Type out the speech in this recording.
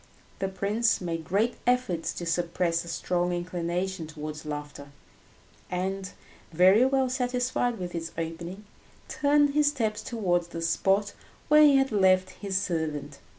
The prince made great efforts to suppress a strong inclination towards laughter, and, very well satisfied with this opening, turned his steps towards the spot where he had left his servant.